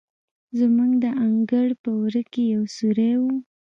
زموږ د انګړ په وره کې یو سورى و.